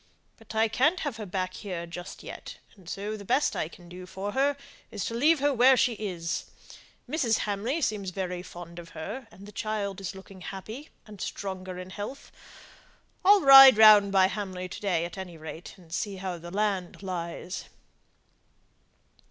But I can't have her back here just yet; and so the best I can do for her is to leave her where she is. Mrs. Hamley seems very fond of her, and the child is looking happy, and stronger in health. I'll ride round by Hamley to day at any rate, and see how the land lies."